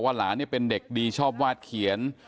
นะครับอาวุธรรณะนี้เป็นเด็กดีชอบวาดเขียน